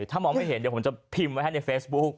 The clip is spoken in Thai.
ถ้ามองไม่เห็นเดี๋ยวผมจะพิมพ์ไว้ให้ในเฟซบุ๊ก